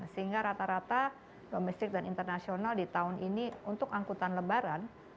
sehingga rata rata domestik dan internasional di tahun ini untuk angkutan lebaran